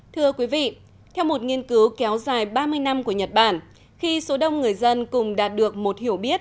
thưa quý vị theo một nghiên cứu kéo dài ba mươi năm của nhật bản khi số đông người dân cùng đạt được một hiểu biết